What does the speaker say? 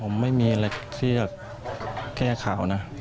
ผมไม่มีอะไรที่จะแก้ข่าวนะ